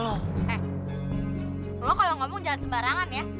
eh lo kalau ngomong jangan sembarangan ya